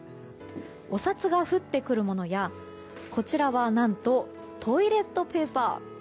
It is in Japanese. お札が降ってくるものやこちらはトイレットペーパー。